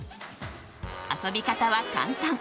遊び方は簡単。